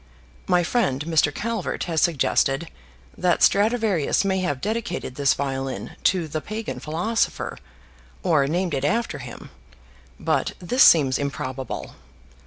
My friend Mr. Calvert has suggested that Stradivarius may have dedicated this violin to the pagan philosopher, or named it after him; but this seems improbable.